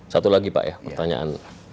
satu lagi pak ya pertanyaan